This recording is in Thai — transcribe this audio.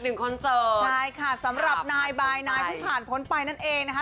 คอนเสิร์ตใช่ค่ะสำหรับนายบายนายเพิ่งผ่านพ้นไปนั่นเองนะคะ